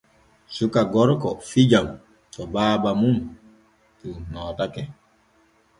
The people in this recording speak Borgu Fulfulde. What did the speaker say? Suka gorko fijan to baaba muuɗum nootake.